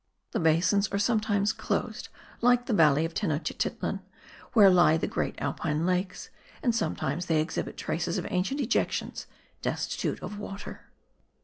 The basins are sometimes closed, like the valley of Tenochtitlan, where lie the great Alpine lakes, and sometimes they exhibit traces of ancient ejections, destitute of water.